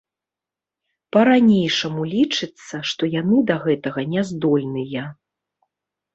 Па-ранейшаму лічыцца, што яны да гэтага няздольныя.